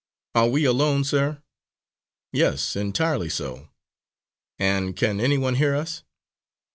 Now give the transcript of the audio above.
"Are we alone, sir?" "Yes, entirely so." "And can any one hear us?"